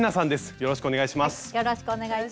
よろしくお願いします。